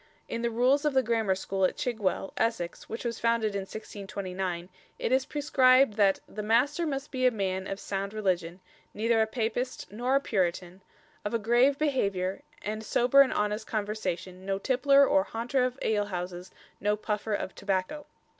In the rules of the Grammar School at Chigwell, Essex, which was founded in 1629, it is prescribed that "the Master must be a man of sound religion, neither a Papist nor a Puritan, of a grave behaviour, and sober and honest conversation, no tippler or haunter of alehouses, no puffer of tobacco."